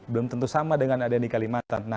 belum tentu sama dengan ada yang di kalimantan